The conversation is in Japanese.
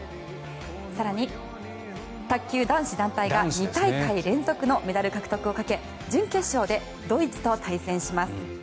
更に、卓球男子団体が２大会連続のメダル獲得をかけ準決勝でドイツと対戦します。